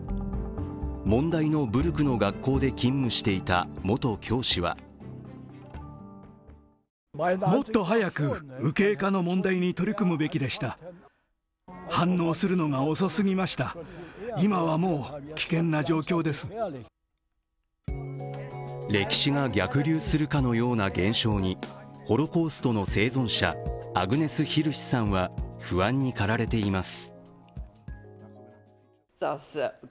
問題のブルクの学校で勤務していた元教師は歴史が逆流するかのような現象にホロコーストの生存者アグネス・ヒルシさんは不安に駆られています。